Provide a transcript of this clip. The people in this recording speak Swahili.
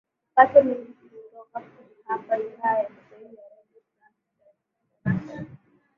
upate mengi kutoka hapa idhaa ya kiswahili ya redio france international